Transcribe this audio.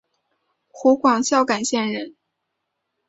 湖广孝感县人。